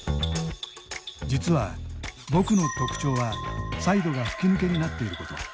実は僕の特徴はサイドが吹き抜けになっていること。